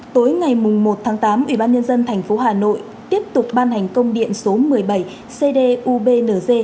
tối ngày một tháng tám ubnd tp hà nội tiếp tục ban hành công điện số một mươi bảy cdubng